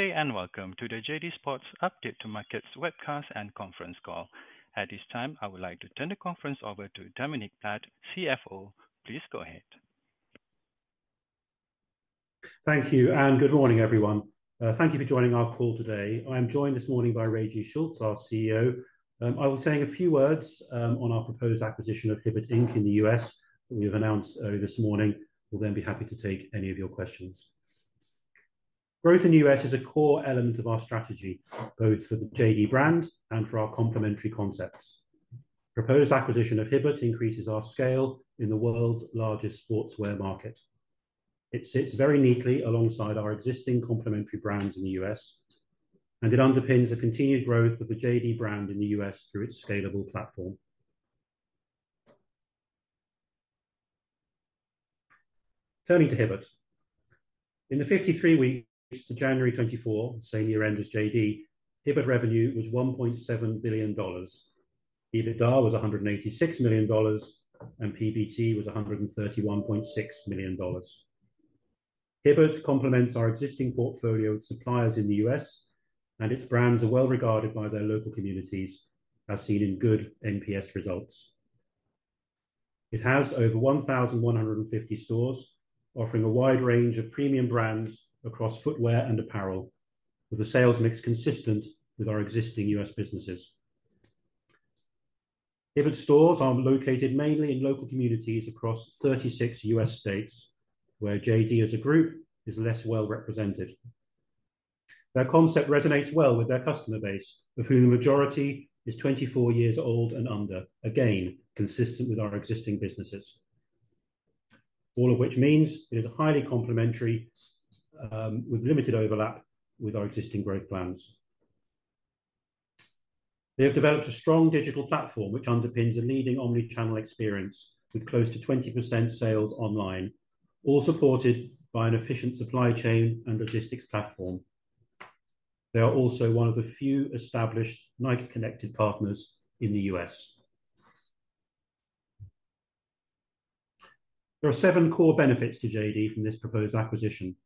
Good day and welcome to the JD Sports Update to Markets webcast and conference call. At this time, I would like to turn the conference over to Dominic Platt, CFO. Please go ahead. Thank you, and good morning, everyone. Thank you for joining our call today. I am joined this morning by Régis Schultz, our CEO. I will say a few words on our proposed acquisition of Hibbett, Inc. in the U.S. that we have announced earlier this morning. We'll then be happy to take any of your questions. Growth in the U.S. is a core element of our strategy, both for the JD brand and for our complementary concepts. Proposed acquisition of Hibbett increases our scale in the world's largest sportswear market. It sits very neatly alongside our existing complementary brands in the U.S., and it underpins the continued growth of the JD brand in the U.S. through its scalable platform. Turning to Hibbett. In the 53 weeks to January 2024, same year-end as JD, Hibbett revenue was $1.7 billion. EBITDA was $186 million, and PBT was $131.6 million. Hibbett complements our existing portfolio of suppliers in the U.S., and its brands are well regarded by their local communities, as seen in good NPS results. It has over 1,150 stores, offering a wide range of premium brands across footwear and apparel, with a sales mix consistent with our existing U.S. businesses. Hibbett stores are located mainly in local communities across 36 U.S. states, where JD as a group is less well represented. Their concept resonates well with their customer base, of whom the majority is 24 years old and under, again consistent with our existing businesses. All of which means it is highly complementary, with limited overlap with our existing growth plans. They have developed a strong digital platform which underpins a leading omnichannel experience, with close to 20% sales online, all supported by an efficient supply chain and logistics platform. They are also one of the few established Nike-connected partners in the U.S. There are seven core benefits to JD from this proposed acquisition.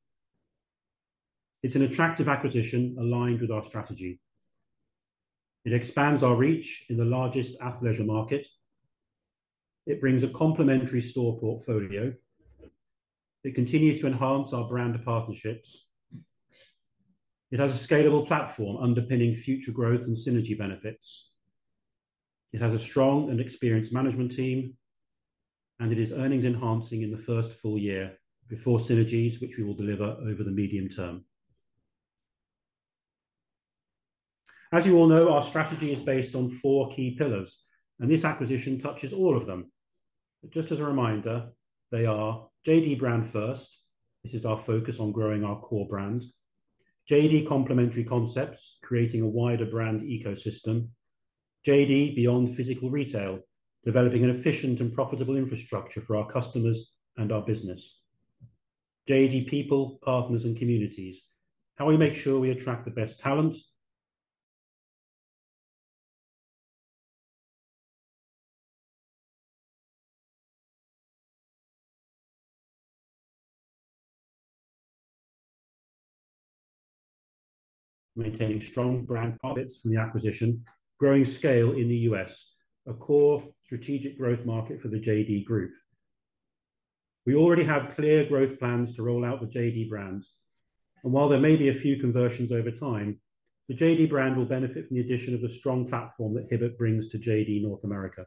It's an attractive acquisition aligned with our strategy. It expands our reach in the largest athleisure market. It brings a complementary store portfolio. It continues to enhance our brand and partnerships. It has a scalable platform underpinning future growth and synergy benefits. It has a strong and experienced management team, and it is earnings-enhancing in the first full year before synergies, which we will deliver over the medium term. As you all know, our strategy is based on four key pillars, and this acquisition touches all of them. But just as a reminder, they are: JD brand first. This is our focus on growing our core brand. JD complementary concepts, creating a wider brand ecosystem. JD beyond physical retail, developing an efficient and profitable infrastructure for our customers and our business. JD people, partners, and communities. How do we make sure we attract the best talent? Maintaining strong brand profits from the acquisition. Growing scale in the U.S. A core strategic growth market for the JD Group. We already have clear growth plans to roll out the JD brand. While there may be a few conversions over time, the JD brand will benefit from the addition of the strong platform that Hibbett brings to JD North America.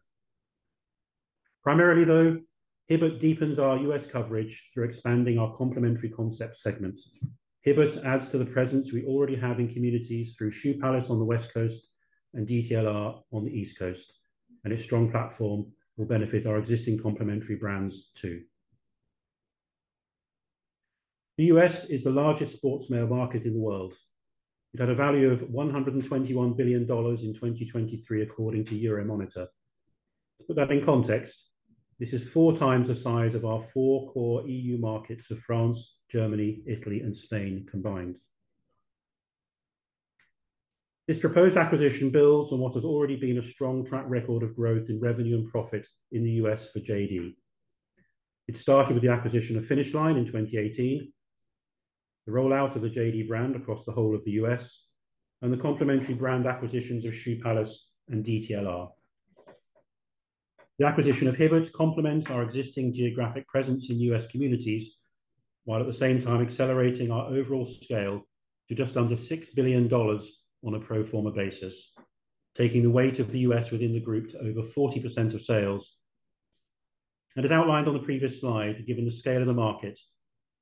Primarily, though, Hibbett deepens our U.S. coverage through expanding our complementary concept segment. Hibbett adds to the presence we already have in communities through Shoe Palace on the West Coast and DTLR on the East Coast. Its strong platform will benefit our existing complementary brands, too. The U.S. is the largest sportswear market in the world. It had a value of $121 billion in 2023, according to Euromonitor. To put that in context, this is four times the size of our four core EU markets of France, Germany, Italy, and Spain combined. This proposed acquisition builds on what has already been a strong track record of growth in revenue and profit in the US for JD. It started with the acquisition of Finish Line in 2018, the rollout of the JD brand across the whole of the US, and the complementary brand acquisitions of Shoe Palace and DTLR. The acquisition of Hibbett complements our existing geographic presence in US communities, while at the same time accelerating our overall scale to just under $6 billion on a pro forma basis, taking the weight of the US within the group to over 40% of sales. As outlined on the previous slide, given the scale of the market,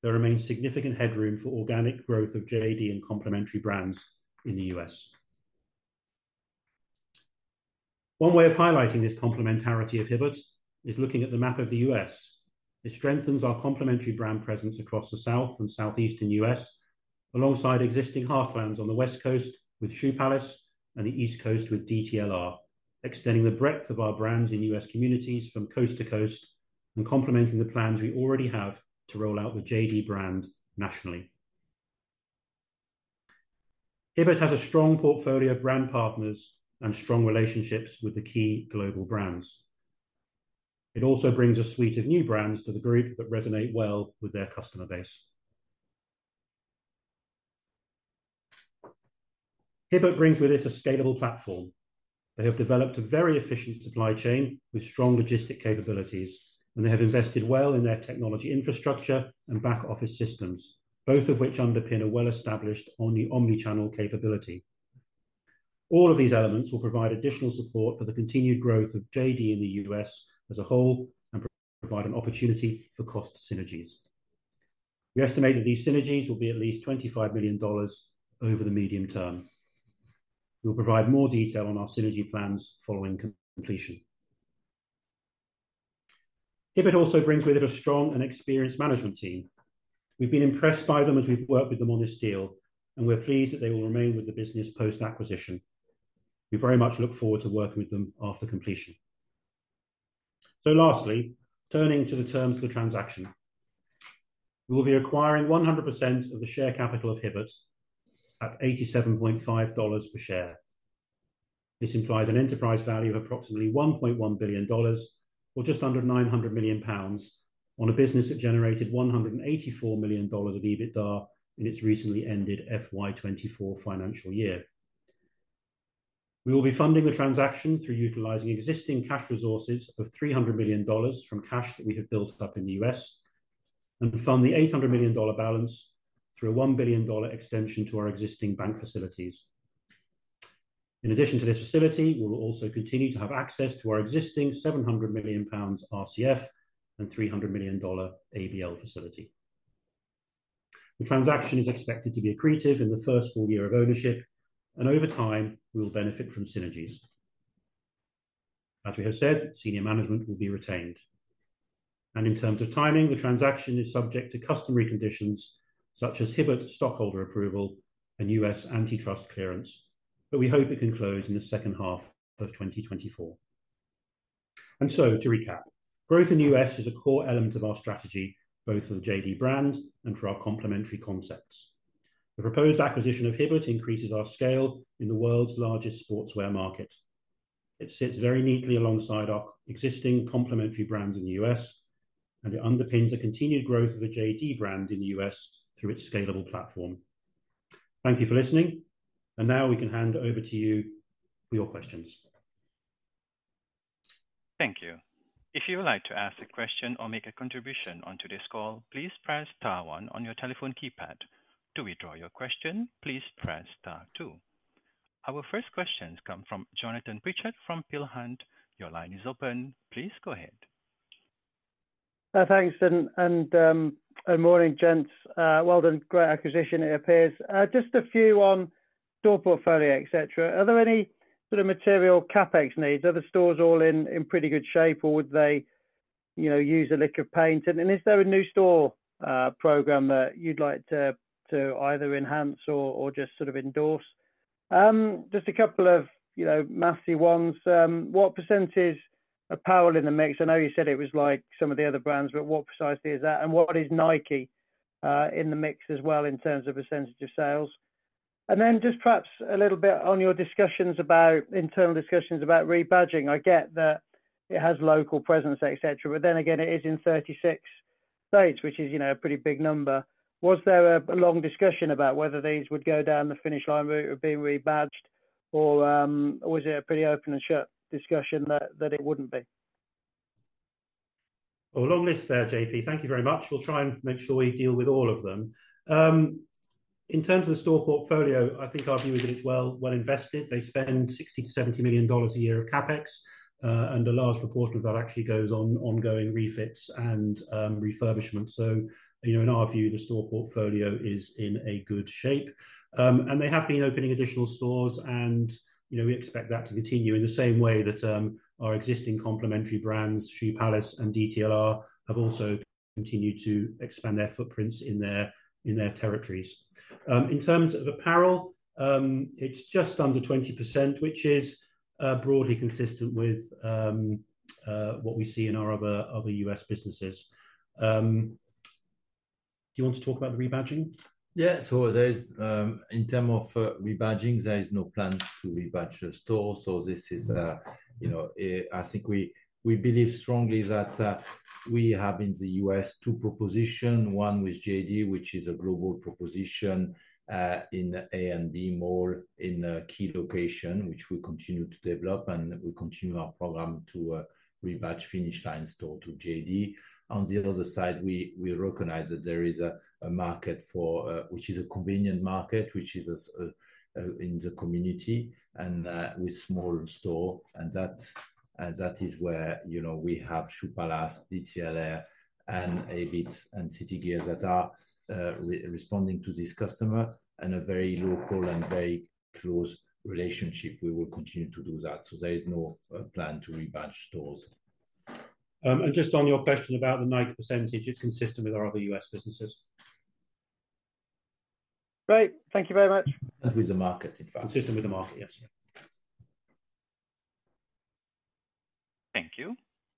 there remains significant headroom for organic growth of JD and complementary brands in the US. One way of highlighting this complementarity of Hibbett is looking at the map of the US. It strengthens our complementary brand presence across the South and Southeastern US, alongside existing heartlands on the West Coast with Shoe Palace and the East Coast with DTLR, extending the breadth of our brands in US communities from coast to coast and complementing the plans we already have to roll out the JD brand nationally. Hibbett has a strong portfolio of brand partners and strong relationships with the key global brands. It also brings a suite of new brands to the group that resonate well with their customer base. Hibbett brings with it a scalable platform. They have developed a very efficient supply chain with strong logistic capabilities, and they have invested well in their technology infrastructure and back-office systems, both of which underpin a well-established omnichannel capability. All of these elements will provide additional support for the continued growth of JD in the U.S. as a whole and provide an opportunity for cost synergies. We estimate that these synergies will be at least $25 million over the medium term. We will provide more detail on our synergy plans following completion. Hibbett also brings with it a strong and experienced management team. We've been impressed by them as we've worked with them on this deal, and we're pleased that they will remain with the business post-acquisition. We very much look forward to working with them after completion. So lastly, turning to the terms of the transaction. We will be acquiring 100% of the share capital of Hibbett at $87.5 per share. This implies an enterprise value of approximately $1.1 billion, or just under 900 million pounds, on a business that generated $184 million of EBITDA in its recently ended FY 2024 financial year. We will be funding the transaction through utilizing existing cash resources of $300 million from cash that we have built up in the US, and fund the $800 million balance through a $1 billion extension to our existing bank facilities. In addition to this facility, we will also continue to have access to our existing 700 million pounds RCF and $300 million ABL facility. The transaction is expected to be accretive in the first full year of ownership, and over time we will benefit from synergies. As we have said, senior management will be retained. And in terms of timing, the transaction is subject to customary conditions such as Hibbett stockholder approval and U.S. antitrust clearance, but we hope it can close in the second half of 2024. And so, to recap, growth in the U.S. is a core element of our strategy, both for the JD brand and for our complementary concepts. The proposed acquisition of Hibbett increases our scale in the world's largest sportswear market. It sits very neatly alongside our existing complementary brands in the U.S., and it underpins a continued growth of the JD brand in the U.S. through its scalable platform. Thank you for listening, and now we can hand over to you for your questions. Thank you. If you would like to ask a question or make a contribution on today's call, please press star one on your telephone keypad. To withdraw your question, please press star two. Our first questions come from Jonathan Pritchard from Peel Hunt. Your line is open. Please go ahead. Thanks, and good morning, gents. Well done. Great acquisition, it appears. Just a few on store portfolio, etc. Are there any sort of material CapEx needs? Are the stores all in pretty good shape, or would they use a lick of paint? And is there a new store program that you'd like to either enhance or just sort of endorse? Just a couple of mathsy ones. What % is Apparel in the mix? I know you said it was like some of the other brands, but what precisely is that? And what is Nike in the mix as well in terms of a % of sales? And then just perhaps a little bit on your internal discussions about rebadging. I get that it has local presence, etc., but then again, it is in 36 states, which is a pretty big number. Was there a long discussion about whether these would go down the Finish Line route or being rebadged, or was it a pretty open-and-shut discussion that it wouldn't be? A long list there, JP. Thank you very much. We'll try and make sure we deal with all of them. In terms of the store portfolio, I think our view is that it's well invested. They spend $60-$70 million a year of Capex, and a large proportion of that actually goes on ongoing refits and refurbishment. So in our view, the store portfolio is in a good shape. They have been opening additional stores, and we expect that to continue in the same way that our existing complementary brands, Shoe Palace and DTLR, have also continued to expand their footprints in their territories. In terms of apparel, it's just under 20%, which is broadly consistent with what we see in our other U.S. businesses. Do you want to talk about the rebadging? Yeah, so in terms of rebadgings, there is no plan to rebadge the store. So this is I think we believe strongly that we have in the US two propositions, one with JD, which is a global proposition in the A and B mall in a key location, which we continue to develop, and we continue our program to rebadge Finish Line stores to JD. On the other side, we recognize that there is a market which is a convenient market, which is in the community, and with small store. And that is where we have Shoe Palace, DTLR, and Hibbett and City Gear that are responding to this customer and a very local and very close relationship. We will continue to do that. So there is no plan to rebadge stores. Just on your question about the Nike percentage, it's consistent with our other U.S. businesses. Great. Thank you very much. With the market, in fact. Consistent with the market, yes. Thank you.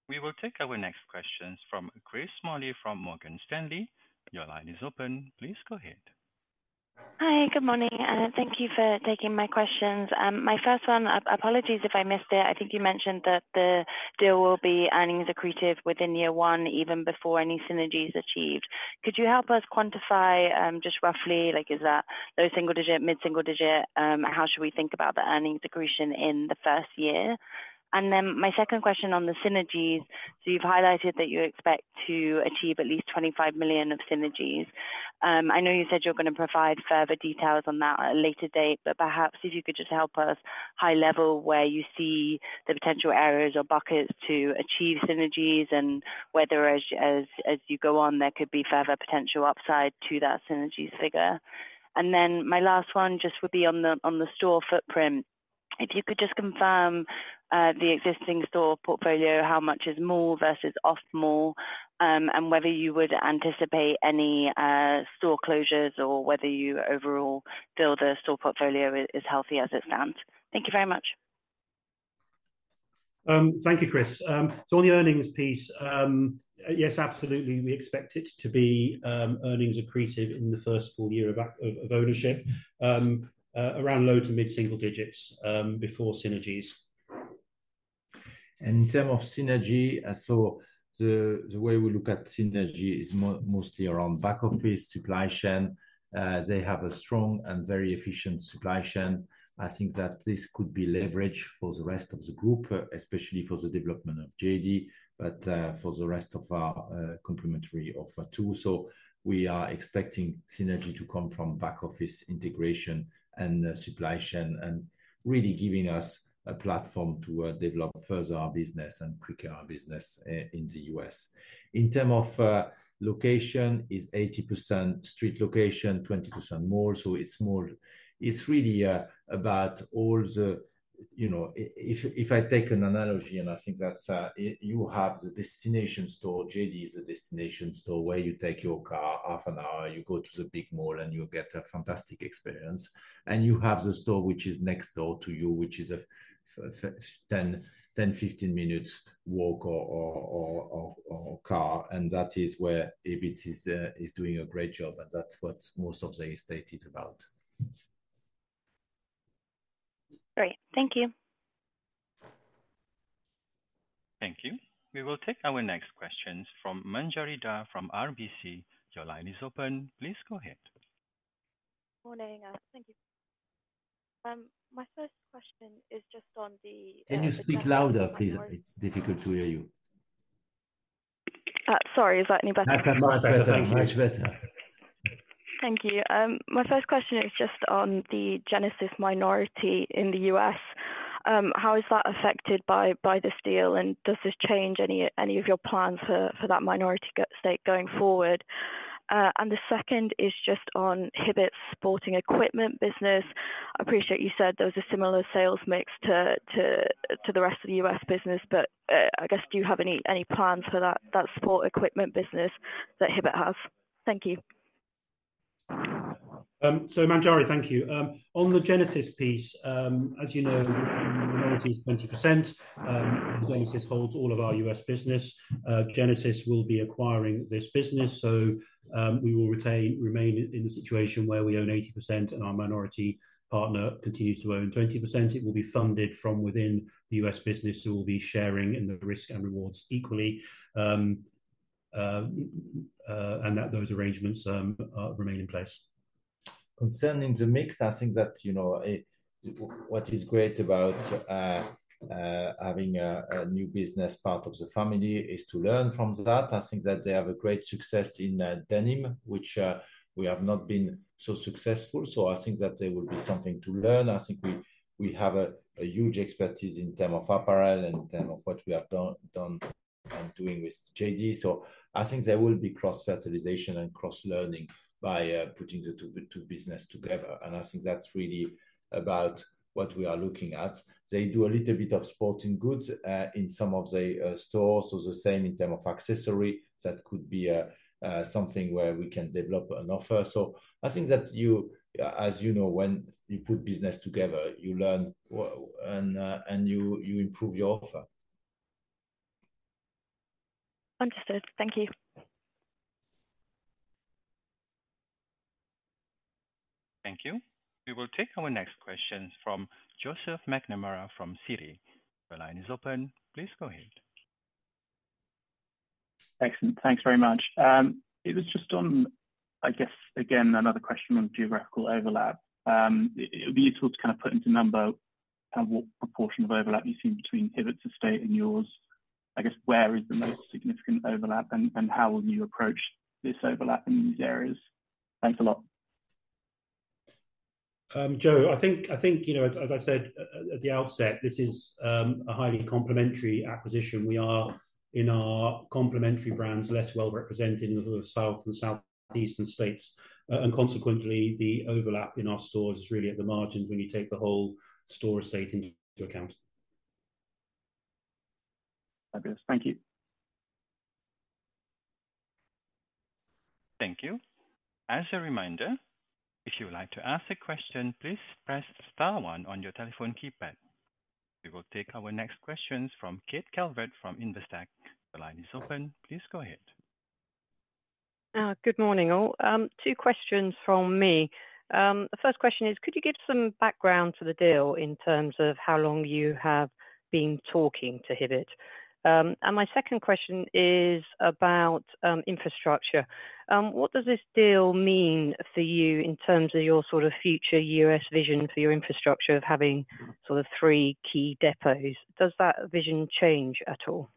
We will take our next questions from Grace Smalley from Morgan Stanley. Your line is open. Please go ahead. Hi, good morning. Thank you for taking my questions. My first one, apologies if I missed it. I think you mentioned that the deal will be earnings accretive within year one, even before any synergies achieved. Could you help us quantify just roughly? Is that low single digit, mid single digit, and how should we think about the earnings accretion in the first year? And then my second question on the synergies. So you've highlighted that you expect to achieve at least $25 million of synergies. I know you said you're going to provide further details on that at a later date, but perhaps if you could just help us high-level where you see the potential areas or buckets to achieve synergies and whether, as you go on, there could be further potential upside to that synergies figure. And then my last one just would be on the store footprint. If you could just confirm the existing store portfolio, how much is mall versus off-mall, and whether you would anticipate any store closures or whether you overall feel the store portfolio is healthy as it stands? Thank you very much. Thank you, Grace. So on the earnings piece, yes, absolutely. We expect it to be earnings accretive in the first full year of ownership, around low- to mid-single digits before synergies. In terms of synergy, so the way we look at synergy is mostly around back-office supply chain. They have a strong and very efficient supply chain. I think that this could be leveraged for the rest of the group, especially for the development of JD, but for the rest of our complementary offer too. So we are expecting synergy to come from back-office integration and supply chain and really giving us a platform to develop further our business and quicker our business in the U.S. In terms of location, it's 80% street location, 20% mall. So it's really about all the if I take an analogy, and I think that you have the destination store. JD is a destination store where you take your car half an hour, you go to the big mall, and you get a fantastic experience. You have the store which is next door to you, which is a 10-15 minutes walk or car. That is where Hibbett is doing a great job, and that's what most of their estate is about. Great. Thank you. Thank you. We will take our next questions from Manjari Dhar from RBC. Your line is open. Please go ahead. Morning. Thank you. My first question is just on the. Can you speak louder, please? It's difficult to hear you. Sorry. Is that any better? That's much better. Much better. Thank you. My first question is just on the Genesis minority in the US. How is that affected by this deal, and does this change any of your plans for that minority stake going forward? And the second is just on Hibbett's sporting equipment business. I appreciate you said there was a similar sales mix to the rest of the US business, but I guess do you have any plans for that sports equipment business that Hibbett has? Thank you. So Manjari, thank you. On the Genesis piece, as you know, minority is 20%. Genesis holds all of our U.S. business. Genesis will be acquiring this business, so we will remain in the situation where we own 80% and our minority partner continues to own 20%. It will be funded from within the U.S. business, so we'll be sharing in the risk and rewards equally, and that those arrangements remain in place. Concerning the mix, I think that what is great about having a new business part of the family is to learn from that. I think that they have a great success in denim, which we have not been so successful. So I think that there will be something to learn. I think we have a huge expertise in terms of apparel and in terms of what we have done and doing with JD. So I think there will be cross-fertilization and cross-learning by putting the two business together, and I think that's really about what we are looking at. They do a little bit of sporting goods in some of their stores, so the same in terms of accessories. That could be something where we can develop an offer. So I think that, as you know, when you put business together, you learn and you improve your offer. Understood. Thank you. Thank you. We will take our next questions from Joseph McNamara from Citi. Your line is open. Please go ahead. Excellent. Thanks very much. It was just on, I guess, again, another question on geographical overlap. It would be useful to kind of put into number kind of what proportion of overlap you've seen between Hibbett's estate and yours. I guess where is the most significant overlap, and how will you approach this overlap in these areas? Thanks a lot. Joe, I think, as I said at the outset, this is a highly complementary acquisition. We are, in our complementary brands, less well represented in the south and southeastern states. Consequently, the overlap in our stores is really at the margins when you take the whole store estate into account. Fabulous. Thank you. Thank you. As a reminder, if you would like to ask a question, please press star one on your telephone keypad. We will take our next questions from Kate Calvert from Investec. The line is open. Please go ahead. Good morning. Two questions from me. The first question is, could you give some background to the deal in terms of how long you have been talking to Hibbett? And my second question is about infrastructure. What does this deal mean for you in terms of your sort of future US vision for your infrastructure of having sort of three key depots? Does that vision change at all?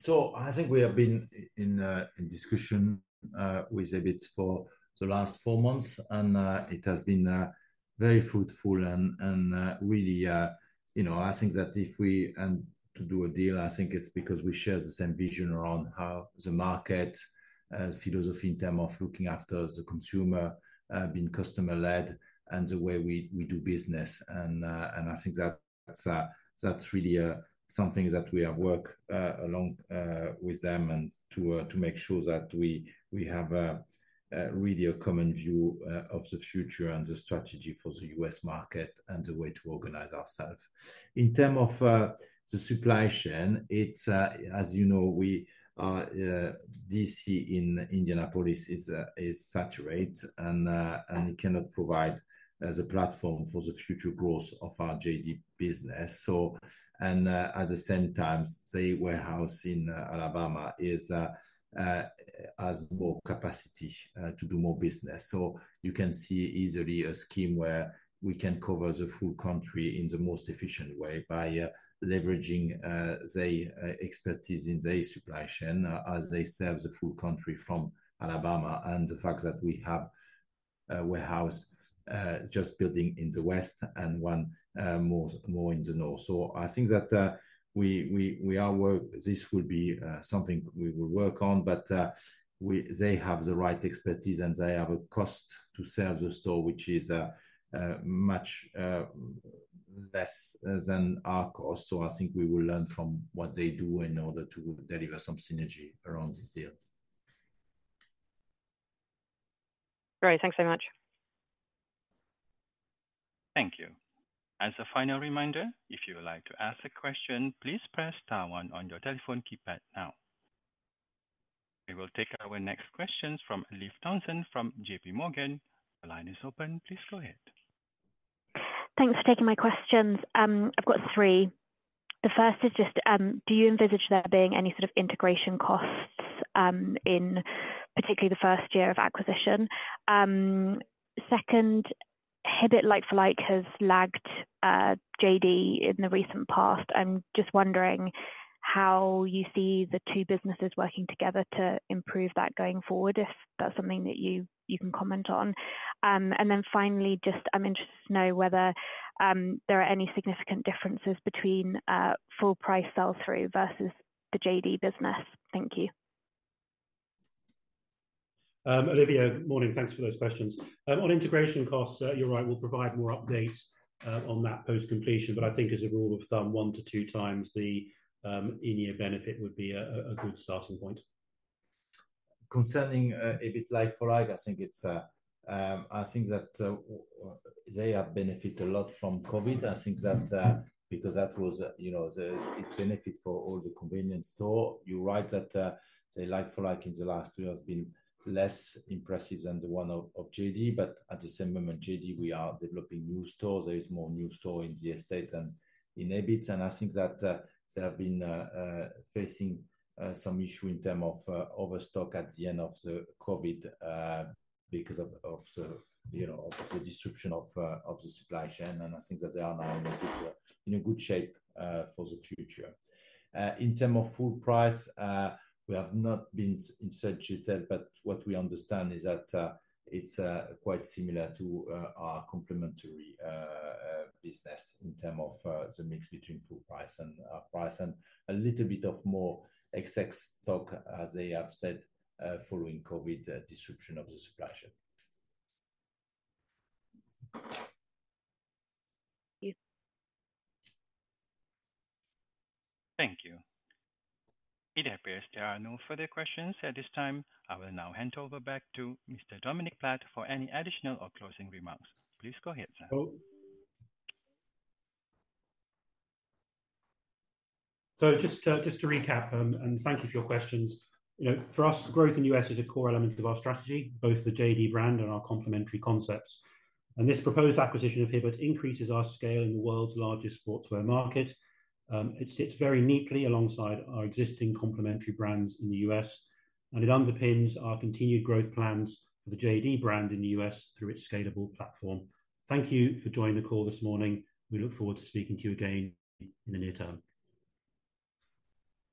So I think we have been in discussion with Hibbett for the last four months, and it has been very fruitful and really I think that if we and to do a deal, I think it's because we share the same vision around how the market philosophy in terms of looking after the consumer has been customer-led and the way we do business. And I think that's really something that we have worked along with them and to make sure that we have really a common view of the future and the strategy for the U.S. market and the way to organize ourselves. In terms of the supply chain, as you know, DC in Indianapolis is saturated, and it cannot provide the platform for the future growth of our JD business. And at the same time, their warehouse in Alabama has more capacity to do more business. So you can see easily a scheme where we can cover the full country in the most efficient way by leveraging their expertise in their supply chain as they serve the full country from Alabama and the fact that we have a warehouse just building in the west and one more in the north. So I think that this will be something we will work on, but they have the right expertise, and they have a cost to serve the store, which is much less than our cost. So I think we will learn from what they do in order to deliver some synergy around this deal. Great. Thanks very much. Thank you. As a final reminder, if you would like to ask a question, please press star one on your telephone keypad now. We will take our next questions from Olivia Townsend from J.P. Morgan. The line is open. Please go ahead. Thanks for taking my questions. I've got three. The first is just, do you envisage there being any sort of integration costs, particularly the first year of acquisition? Second, Hibbett like-for-like has lagged JD in the recent past. I'm just wondering how you see the two businesses working together to improve that going forward, if that's something that you can comment on. And then finally, just I'm interested to know whether there are any significant differences between full-price sell-through versus the JD business. Thank you. Oliva, good morning. Thanks for those questions. On integration costs, you're right, we'll provide more updates on that post-completion, but I think as a rule of thumb, one to two times the in-year benefit would be a good starting point. Concerning Hibbett like-for-like, I think that they have benefited a lot from COVID. I think that because that was a benefit for all the convenience stores. You're right that their like-for-like in the last three years has been less impressive than the one of JD, but at the same moment, JD, we are developing new stores. There is more new stores in the estate than in Hibbett, and I think that they have been facing some issues in terms of overstock at the end of COVID because of the disruption of the supply chain, and I think that they are now in a good shape for the future. In terms of full price, we have not been in such detail, but what we understand is that it's quite similar to our complementary business in terms of the mix between full price and off-price and a little bit more excess stock, as they have said, following COVID disruption of the supply chain. Thank you. Thank you. It appears there are no further questions at this time. I will now hand over back to Mr. Dominic Platt for any additional or closing remarks. Please go ahead, sir. Just to recap and thank you for your questions. For us, growth in the U.S. is a core element of our strategy, both the JD brand and our complementary concepts. This proposed acquisition of Hibbett increases our scale in the world's largest sportswear market. It sits very neatly alongside our existing complementary brands in the U.S., and it underpins our continued growth plans for the JD brand in the U.S. through its scalable platform. Thank you for joining the call this morning. We look forward to speaking to you again in the near term.